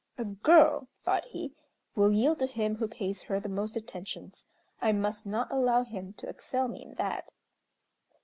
"A girl," thought he, "will yield to him who pays her the most attentions. I must not allow him to excel me in that."